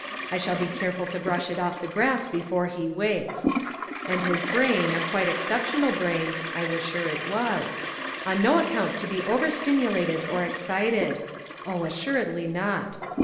I shall be careful to brush it off the grass before he wakes. And his brain, a quite exceptional brain, — I was sure it was — on no account to be overstimulated or excited: Oh, assuredly not.